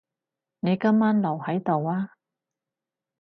你今晚留喺度呀？